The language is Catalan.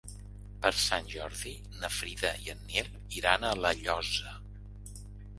Per Sant Jordi na Frida i en Nil iran a La Llosa.